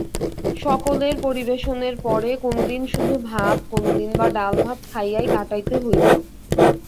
সকলের পরিবেশনের পরে কোনোদিন শুধু ভাত, কোনোদিন বা ডালভাত খাইয়াই কাটাইতে হইত।